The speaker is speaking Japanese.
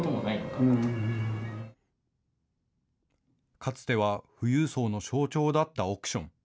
かつては富裕層の象徴だった億ション。